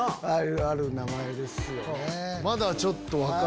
ある名前ですよね。